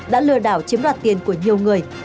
đã lừa đảo chiếm đoạt tiền của nhiều người